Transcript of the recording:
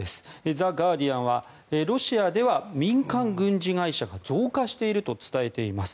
ザ・ガーディアンはロシアでは民間軍事会社が増加していると伝えています。